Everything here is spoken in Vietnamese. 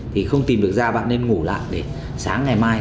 thì không tìm được ra bạn nên ngủ lại để sáng ngày mai